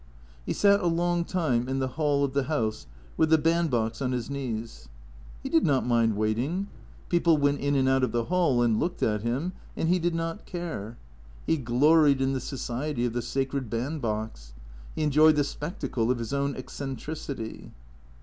He sat a long time in the hall of the house with the band box on his knees. He did not mind waiting. People went in and out of the hall and looked at him; and he did not care. He gloried in the society of the sacred band box. He enjoyed the spectacle of his own eccentricity.